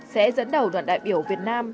sẽ dẫn đầu đoạn đại biểu việt nam